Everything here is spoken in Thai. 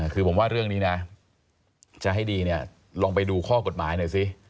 คือผมว่าเรื่องนี้นะจะให้ดีเนี่ยลองไปดูข้อกฎหมายหน่อยสิ